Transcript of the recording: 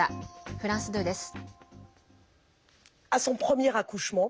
フランス２です。